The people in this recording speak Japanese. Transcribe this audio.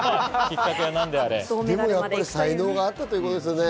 でも才能があったということですよね。